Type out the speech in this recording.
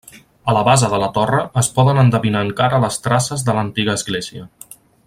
A la base de la torre es poden endevinar encara les traces de l'antiga església.